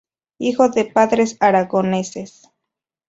Hijo de padres aragoneses.